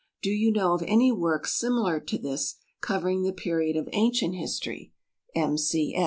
Do you know of any work similar to this covering the period of Ancient History?" M.